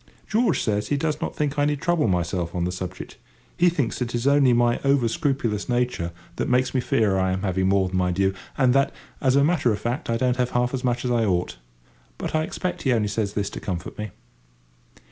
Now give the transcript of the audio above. George says he does not think I need trouble myself on the subject. He thinks it is only my over scrupulous nature that makes me fear I am having more than my due; and that, as a matter of fact, I don't have half as much as I ought. But I expect he only says this to comfort me.